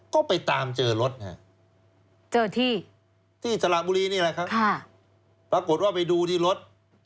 ก็ไปตามเจอรถที่จละบุรีนี่เลยครับปรากฏว่าไปดูที่รถ